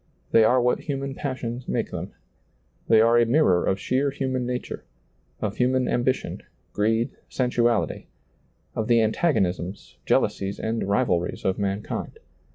They are what human passions make them. They are a mirror of sheer human nature; of human ambition, greed, sen suality; of the antagonisms, jealousies, and rivalries of mankind.